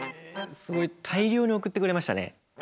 すごい大量に送ってくれましたね。